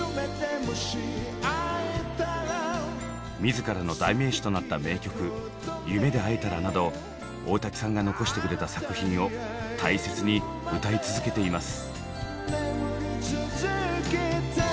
自らの代名詞となった名曲「夢でえたら」など大滝さんが残してくれた作品を大切に歌い続けています。